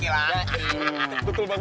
bisa dateng dong